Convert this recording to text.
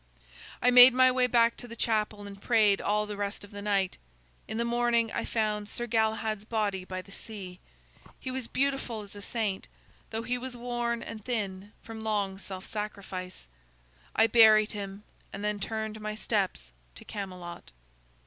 "I made my way back to the chapel and prayed all the rest of the night. In the morning I found Sir Galahad's body by the sea. He was beautiful as a saint, though he was worn and thin from long self sacrifice. I buried him and then turned my steps to Camelot.